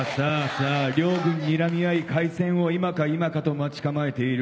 さあ両軍にらみ合い開戦を今か今かと待ち構えている。